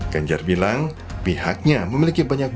genjar bilang pihaknya memiliki banyak kesalahan